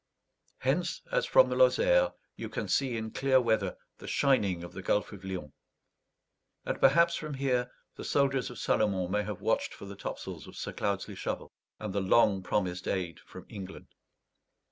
Hence, as from the Lozère, you can see in clear weather the shining of the Gulf of Lyons; and perhaps from here the soldiers of Salomon may have watched for the topsails of Sir Cloudesley Shovel, and the long promised aid from England.